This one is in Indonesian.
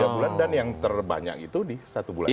tiga bulan dan yang terbanyak itu di satu bulan